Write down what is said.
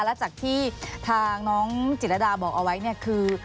แล้วจากที่ทางน้องจิตรดาบอกเอาไว้เนี่ยคือ